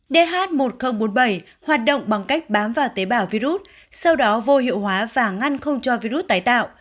dh một nghìn bốn mươi bảy hoạt động bằng cách bám vào tế bào virus sau đó vô hiệu hóa và ngăn không cho virus tái tạo